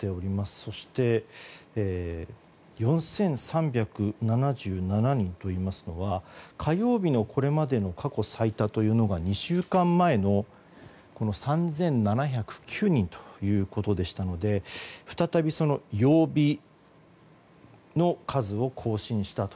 そして４３７７人といいますのは火曜日のこれまでの過去最多というのが２週間前の３７０９人ということでしたので再び曜日の数を更新したと。